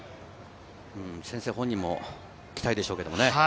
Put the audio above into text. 先生本人も来たいでしょうけれどね。